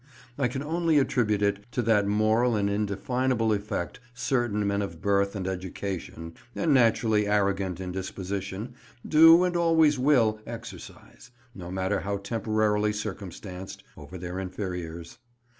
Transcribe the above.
I can only attribute it to that moral and indefinable effect certain men of birth and education, and naturally arrogant in disposition, do and always will exercise, no matter how temporarily circumstanced, over their inferiors.